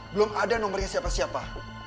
belum ada nomornya siapa siapa